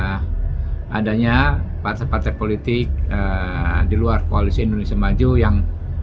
adanya partai partai politik di luar koalisi indonesia maju yang